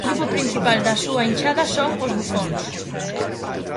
O grupo principal da súa inchada son "Os Bufóns".